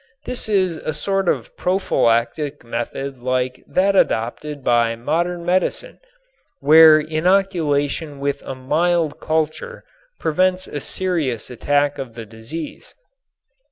This is a sort of prophylactic method like that adopted by modern medicine where inoculation with a mild culture prevents a serious attack of the disease.